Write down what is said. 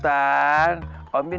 tunggu om jin